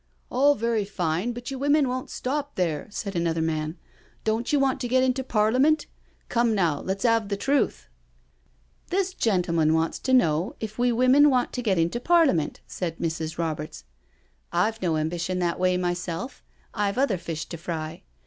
" All very fine, but you women won't stop there," said another man. " Don't you want to get into Par liament? Come, now, let's have the truth I" " This gentleman wants to know if we women want to get into Parliament," said Mrs. Roberts; " I've no ambition that way myself, I've other fish to fry.